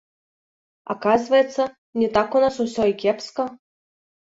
Аказваецца, не так у нас усё і кепска!